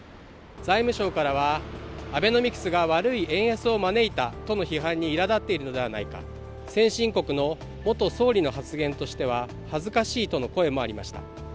財務省からはアベノミクスが悪い円安を招いたとの批判にいら立っているのではないか先進国の元総理の発言としては恥ずかしいとの声もありました。